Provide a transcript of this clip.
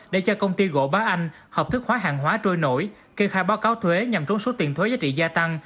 để cho công ty gỗ bá anh hợp thức hóa hàng hóa trôi nổi kê khai báo cáo thuế nhằm trốn số tiền thuế giá trị gia tăng